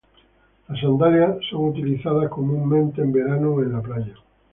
Las sandalias son utilizadas comúnmente en verano o en la playa.